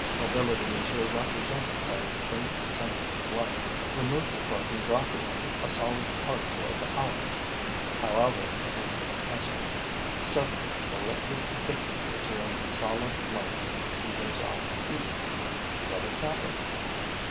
Mobility is here represented by a faint semblance of life. Remove the cork and drop in a solid particle of alum, however infinitesimal. Suddenly, the liquid thickens into a solid lump and gives off heat. What has happened?